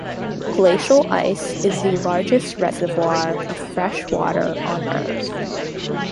Glacial ice is the largest reservoir of fresh water on Earth.